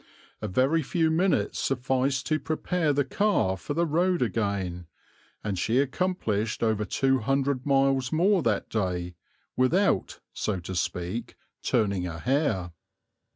A very few minutes sufficed to prepare the car for the road again, and she accomplished over two hundred miles more that day without, so to speak, turning a hair.